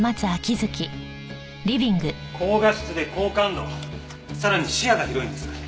高画質で高感度さらに視野が広いんです。